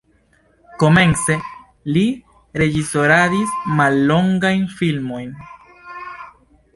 Komence li reĝisoradis mallongajn filmojn.